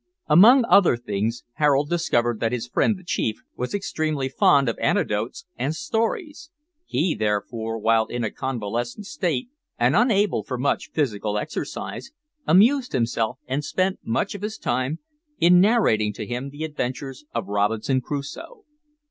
Among other things Harold discovered that his friend the chief was extremely fond of anecdotes and stories. He, therefore, while in a convalescent state and unable for much physical exercise, amused himself, and spent much of his time, in narrating to him the adventures of Robinson Crusoe.